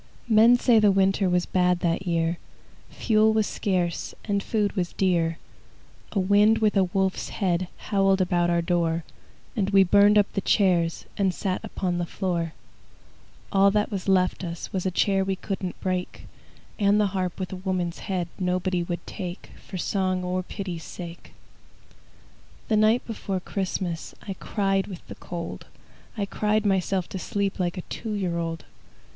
Men say the winter Was bad that year; Fuel was scarce, And food was dear. A wind with a wolf's head Howled about our door, And we burned up the chairs And sat upon the floor. All that was left us Was a chair we couldn't break, And the harp with a woman's head Nobody would take, For song or pity's sake. The night before Christmas I cried with the cold, I cried myself to sleep Like a two year old.